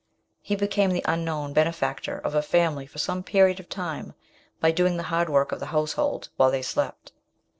He became the unknown benefactor of a family for some period of time by doing the hard work of the household while they slept.